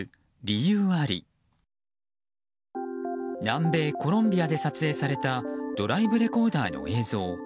南米コロンビアで撮影されたドライブレコーダーの映像。